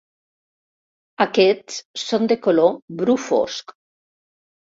Aquests són de color bru fosc.